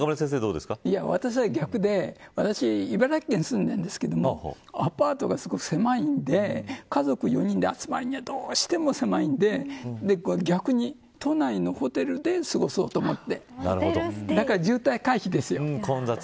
私は逆で私、茨城県に住んでるんですけどアパートが狭いんで家族４人で集まるのはどうしても狭いんで逆に、都内のホテルで過ごそうと思って。